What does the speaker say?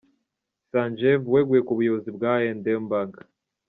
Sanjeev weguye ku buyobozi bwa I$M bank.